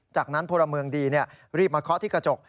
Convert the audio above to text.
จากนั้นพลเมืองดีรีบมาเคาะที่กระจก